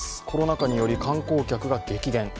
コロナ禍による観光客が激減。